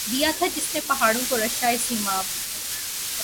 دیا تھا جس نے پہاڑوں کو رعشۂ سیماب